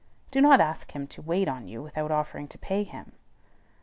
Do not ask him to wait on you without offering to pay him.